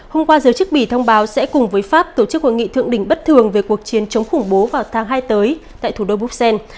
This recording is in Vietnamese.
hôm qua giới chức bỉ thông báo sẽ cùng với pháp tổ chức hội nghị thượng đỉnh bất thường về cuộc chiến chống khủng bố vào tháng hai tới tại thủ đô bruxelles